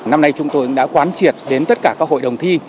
năm nay chúng tôi cũng đã quán triệt đến tất cả các hội đồng thi